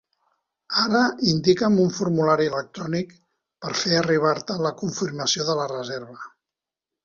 Ara indica'm un formulari electrònic per fer arribar-te la confirmació de la reserva.